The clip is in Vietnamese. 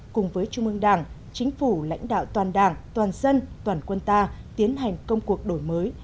cùng với trung ương đảng chính phủ lãnh đạo toàn đảng toàn dân toàn quân ta tiến hành công cuộc đổi mới